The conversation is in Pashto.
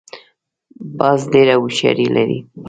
باز ډېره هوښیاري لري